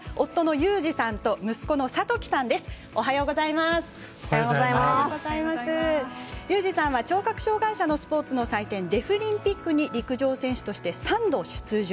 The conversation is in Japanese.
裕士さんは聴覚障がい者のスポーツの祭典デフリンピックに陸上選手として３度出場。